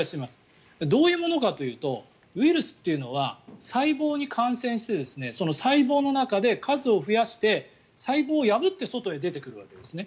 どういうものかというとウイルスっていうのは細胞に感染してその細胞の中で数を増やして細胞を破って外へ出てくるわけですね。